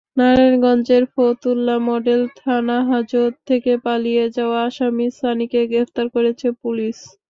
নারায়ণগঞ্জের ফতুল্লা মডেল থানাহাজত থেকে পালিয়ে যাওয়া আসামি সানিকে গ্রেপ্তার করেছে পুলিশ।